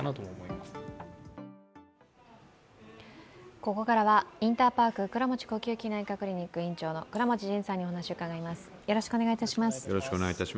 ここからはインターパーク倉持呼吸器内科クリニック院長の倉持仁さんにお話を伺います。